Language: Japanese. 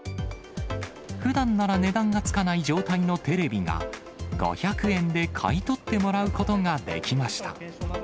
ふだんなら値段がつかない状態のテレビが、５００円で買い取ってもらうことができました。